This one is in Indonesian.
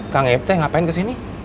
kang ip teh ngapain kesini